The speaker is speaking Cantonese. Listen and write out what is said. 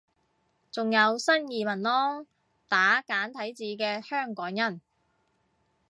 仲有新移民囉，打簡體字嘅香港人